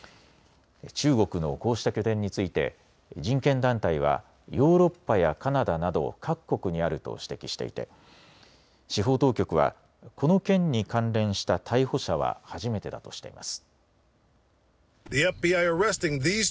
中国のこうした拠点について人権団体はヨーロッパやカナダなど各国にあると指摘していて司法当局はこの件に関連した逮捕者は初めてだとしています。